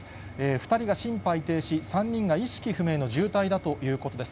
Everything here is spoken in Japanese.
２人が心肺停止、３人が意識不明の重体だということです。